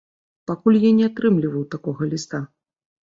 Пакуль я не атрымліваў такога ліста.